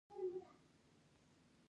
برېښنا د انرژۍ یوه بڼه ده.